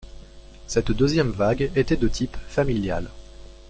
Cette deuxième vague était de type familial.